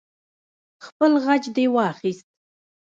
خپل غچ دې واخست.